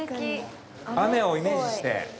雨をイメージして。